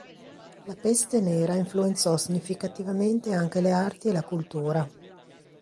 La peste nera influenzò significativamente anche le arti e la cultura.